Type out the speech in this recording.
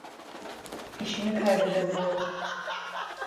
İşimi kaybedebilirim.